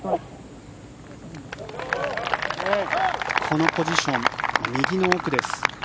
このポジション右の奥です。